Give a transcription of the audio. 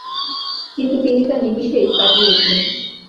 কিন্তু তিনি তা নিমিষেই কাটিয়ে উঠলেন।